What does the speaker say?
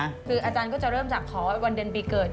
คืออาจารย์ก็จะเริ่มจากขอวันเดือนปีเกิด